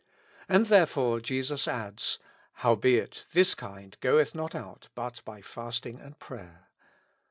And therefore Jesus adds :" Howbeit this kind goeth not out but by fast ing and prayer."